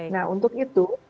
nah untuk itu